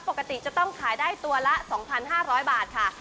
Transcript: ปกติจะต้องขายได้ตัวละ๒๕๐๐บาทค่ะ